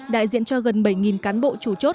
đại diện cho gần bảy cán bộ chủ chốt